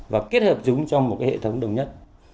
và kết hợp chúng trong một cái hệ thống đồng nhất